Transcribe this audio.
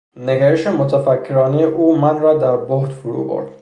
نگرش متفکرانهٔ او من را در بهت فرو برد.